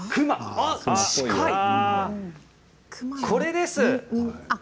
これです。